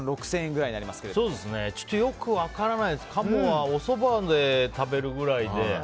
よく分からないけど、鴨はおそばで食べるくらいで。